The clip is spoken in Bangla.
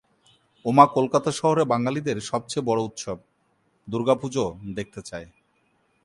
উমা কলকাতা শহরে বাঙালিদের সবচেয়ে বড়ো উৎসব, দুর্গা পুজো দেখতে চায়।